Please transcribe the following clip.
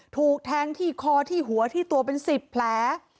ถูกแทงที่คอที่หัวที่ตัวเป็น๑๐แผล